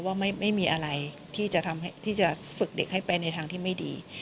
ว่าไม่มีอะไรที่จะฝึกเด็กให้ไปในทางที่ไม่ดี